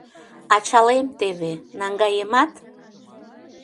Ачалем теве, наҥгаемат.